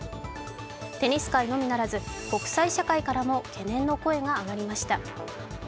テニス界のみならで国際社会からも懸念の声が上がりました。